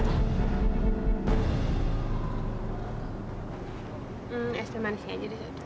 es teh manisnya jadi satu